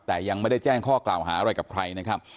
แต่ยังไม่ได้แจ้งข้อกล่าวหาอะไรกับใครนะครับ